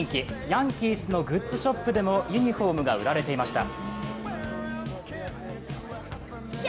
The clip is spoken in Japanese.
ヤンキースのグッズショップでもユニフォームが売られていました。